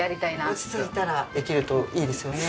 落ち着いたらできるといいですよね。